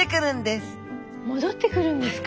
戻ってくるんですか。